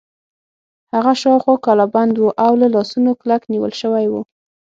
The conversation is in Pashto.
هغه شاوخوا کلابند و او له لاسونو کلک نیول شوی و.